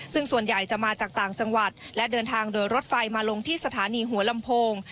ซึ่งส่วนใหญ่จะมาจากต่างจังหวัดและเดินทางโดยรถไฟมาลงที่สถานีหัวลำโพง